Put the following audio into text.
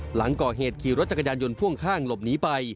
หลังก่อเหตุขี่รถจักรยานยนต์พ่วงข้างหลบหนีไป